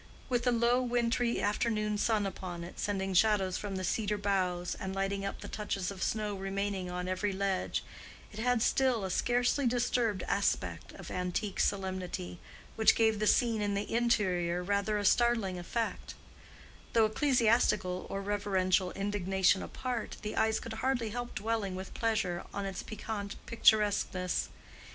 With the low wintry afternoon sun upon it, sending shadows from the cedar boughs, and lighting up the touches of snow remaining on every ledge, it had still a scarcely disturbed aspect of antique solemnity, which gave the scene in the interior rather a startling effect; though, ecclesiastical or reverential indignation apart, the eyes could hardly help dwelling with pleasure on its piquant picturesqueness.